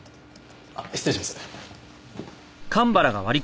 あっ失礼します。